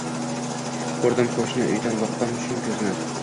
Koʻrdim qoʻshni uydan boqqan shum koʻzni.